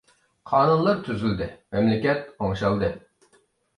قانۇنلا تۈزۈلدى مەملىكەت ئوڭشالدى.